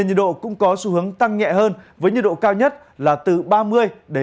gió cũng có xu hướng tăng nhẹ hơn với nhiệt độ cao nhất là từ ba mươi ba mươi bốn độ